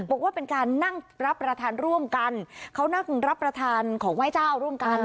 บอกว่าเป็นการนั่งรับประทานร่วมกันเขานั่งรับประทานของไหว้เจ้าร่วมกัน